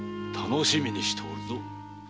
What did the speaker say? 楽しみにしておるぞ。